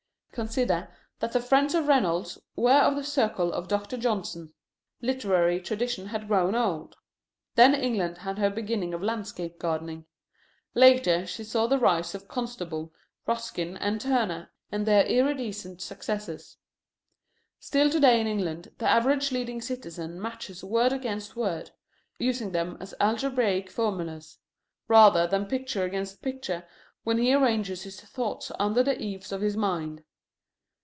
Consider that the friends of Reynolds were of the circle of Doctor Johnson. Literary tradition had grown old. Then England had her beginning of landscape gardening. Later she saw the rise of Constable, Ruskin, and Turner, and their iridescent successors. Still to day in England the average leading citizen matches word against word, using them as algebraic formulas, rather than picture against picture, when he arranges his thoughts under the eaves of his mind.